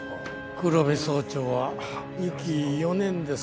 黒部総長は２期４年ですか。